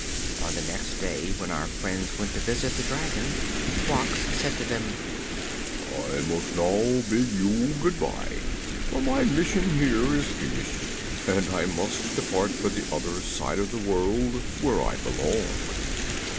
On the next day, when our friends went to visit the dragon, Quox said to them: "I must now bid you good bye, for my mission here is finished and I must depart for the other side of the world, where I belong."